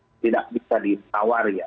namun tidak bisa ditawar ya